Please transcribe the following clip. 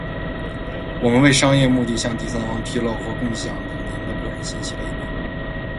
我们为商业目的向第三方披露或共享的您的个人信息类别；